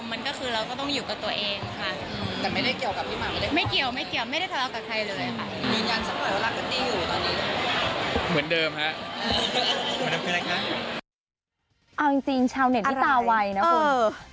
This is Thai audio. เอาจริงชาวเน็ตที่ตาไวนะคุณ